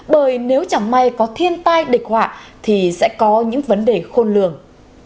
bởi nếu chẳng may có thiên tai địch họa thì sẽ có những vấn đề khôn lường